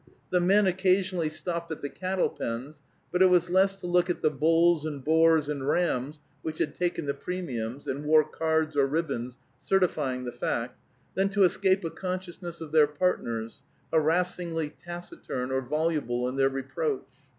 The men occasionally stopped at the cattle pens, but it was less to look at the bulls and boars and rams which had taken the premiums, and wore cards or ribbons certifying the fact, than to escape a consciousness of their partners, harassingly taciturn or voluble in their reproach.